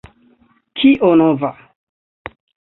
Kio nova?